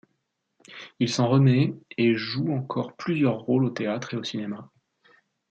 Il s'en remet et joue encore plusieurs rôles au théâtre et au cinéma.